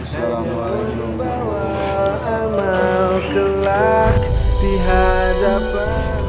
assalamualaikum warahmatullahi wabarakatuh